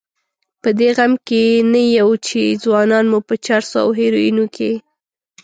په دې غم کې نه یو چې ځوانان مو په چرسو او هیرویینو کې.